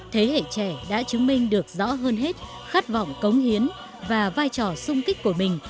thế hệ trẻ đã chứng minh được rõ hơn hết khát vọng cống hiến và vai trò sung kích của mình